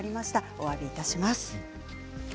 おわびいたします。